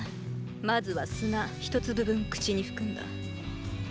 まずは砂一粒分口に含んだ。